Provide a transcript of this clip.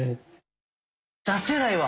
出せないわ！